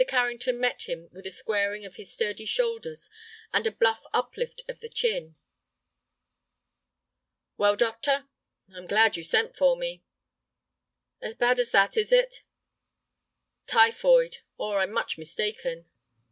Carrington met him with a squaring of his sturdy shoulders and a bluff uplift of the chin. "Well, doctor?" "I'm glad you sent for me." "As bad as that, is it?" "Typhoid, or I am much mistaken."